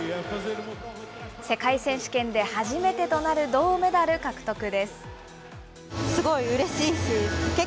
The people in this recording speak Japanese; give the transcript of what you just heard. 世界選手権で初めてとなる銅メダル獲得です。